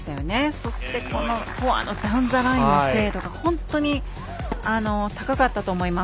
そして、このフォアのダウンザラインの精度が本当に高かったと思います。